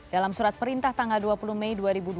dalam surat perintah tanggal dua puluh mei dua ribu dua puluh